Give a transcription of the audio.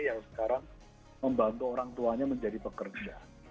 yang sekarang membantu orang tuanya menjadi pekerja